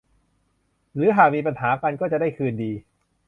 หรือหากมีปัญหากันก็จะได้คืนดี